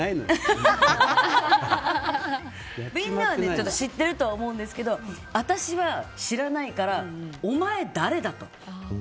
みんなは知ってるとは思うんですけど私は知らないからお前誰だ？と。